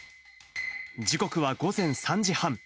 時刻は午前３時半。